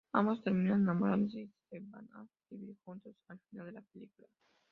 Ambos terminan enamorándose, y se van a vivir juntos al final de la película.